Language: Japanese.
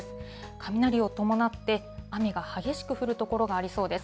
雷を伴って、雨が激しく降る所がありそうです。